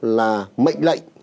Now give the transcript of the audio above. là mệnh lệnh